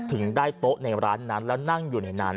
ถึงได้โต๊ะในร้านนั้นแล้วนั่งอยู่ในนั้น